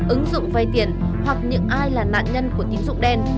ứng dụng vay tiền hoặc những ai là nạn nhân của tín dụng đen